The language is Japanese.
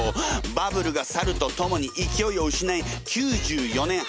バブルが去るとともにいきおいを失い９４年８月に閉店。